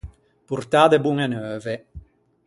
Portâ de boñe neuve.